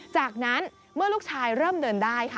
จากนั้นเมื่อลูกชายเริ่มเดินได้ค่ะ